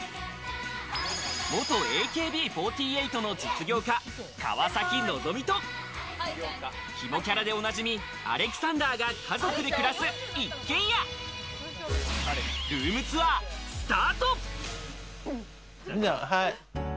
元ＡＫＢ４８の実業家・川崎希とヒモキャラでおなじみ、アレクサンダーが家族で暮らす一軒家、ルームツアースタート。